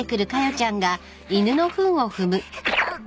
あっ！？